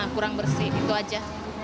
kurang bersih gitu aja